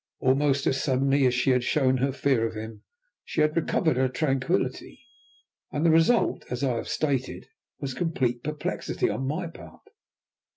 Almost as suddenly as she had shown her fear of him, she had recovered her tranquillity, and the result, as I have stated, was complete perplexity on my part.